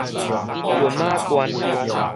群馬縣